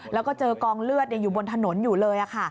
แล้วก็เจอกองเลือดอยู่บนถนนอยู่เลย